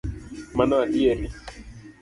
Mano adieri